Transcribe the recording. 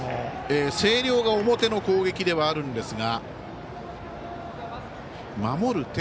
星稜が表の攻撃ではあるんですが守る